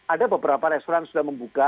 ada beberapa restoran sudah membuka